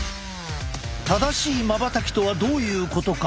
「正しいまばたき」とはどういうことか。